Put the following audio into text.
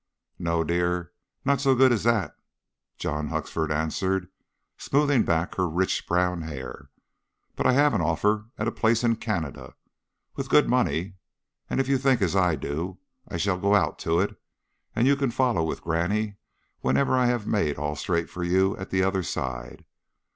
"No, dear, not so good as that," John Huxford answered, smoothing back her rich brown hair; "but I have an offer of a place in Canada, with good money, and if you think as I do, I shall go out to it, and you can follow with the granny whenever I have made all straight for you at the other side.